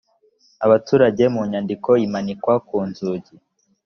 abaturage mu nyandiko imanikwa ku nzugi